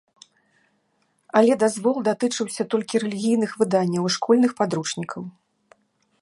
Але дазвол датычыўся толькі рэлігійных выданняў і школьных падручнікаў.